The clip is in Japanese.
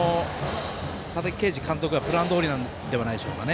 佐々木啓司監督のプランどおりではないでしょうか。